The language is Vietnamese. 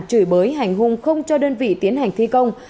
chửi bới hành hung không cho đơn vị tiến hành thi công